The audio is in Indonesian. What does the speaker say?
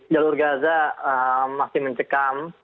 jalur gaza masih mencekam